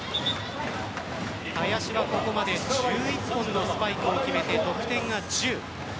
林はここまで１１本のスパイクを決めて得点が１０。